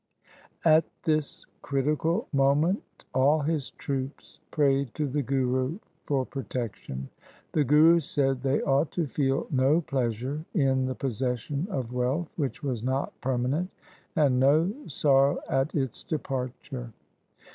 At this critical moment all his troops prayed to the Guru for protection. The Guru said they ought to feel no pleasure in the possession of wealth which was not permanent, and no sorrow at its departure.